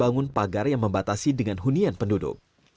dan dibangun pagar yang membatasi dengan hunian penduduk